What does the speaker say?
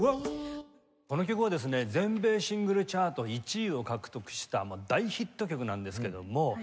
この曲は全米シングルチャート１位を獲得した大ヒット曲なんですけども。